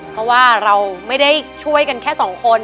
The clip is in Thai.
เพราะว่าเราไม่ได้ช่วยกันแค่สองคน